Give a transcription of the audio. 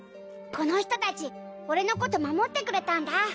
この人達俺のこと守ってくれたんだ